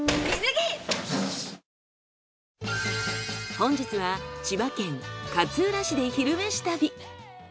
本日は千葉県勝浦市で「昼めし旅」。